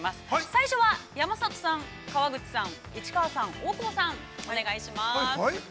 最初は、山里さん、川口さん、市川さん、大久保さん、お願いします。